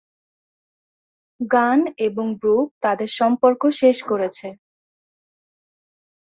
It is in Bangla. গান এবং ব্রুক তাদের সম্পর্ক শেষ করেছে।